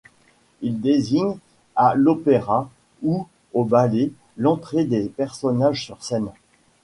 Il désigne, à l'opéra ou au ballet, l'entrée des personnages sur scène.